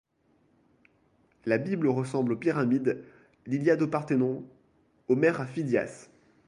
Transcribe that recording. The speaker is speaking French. La Bible ressemble aux Pyramides, l'Iliade au Parthénon, Homère à Phidias.